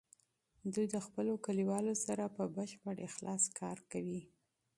دوی د خپلو کلیوالو سره په بشپړ اخلاص کار کوي.